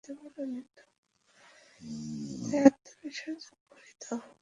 এই প্রকার ভাবের আতিশয্য হইতেই হিন্দু বিধবারা মৃত পতির চিতায় আত্মবিসর্জন করিত।